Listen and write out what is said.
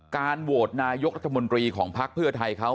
การโหวตนายกรัฐมนตรีของภักดิ์เพื่อไทยเขา